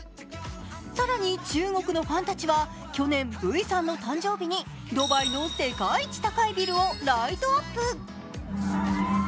更に中国のファンたちは去年、Ｖさんの誕生日にドバイの世界一高いビルをライトアップ。